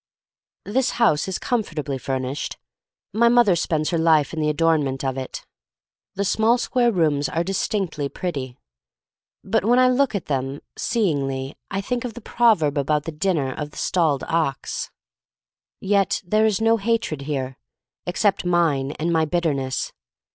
This house is comfortably furnished. My mother spends her life in the adornment of it. The small square rooms are distinctly pretty. But when I look at them seeingly I think of the proverb about the dinner of stalled ox. r 126 THE STORY OF MARY MAC LANE Yet there is no hatred here, except mine and my bitterness.